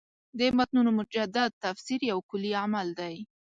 د متنونو مجدد تفسیر یو کُلي عمل دی.